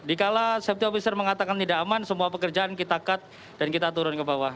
dikala safety officer mengatakan tidak aman semua pekerjaan kita cut dan kita turun ke bawah